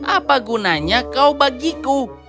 apa gunanya kau bagiku